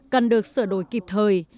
cần được sửa đổi kịp thời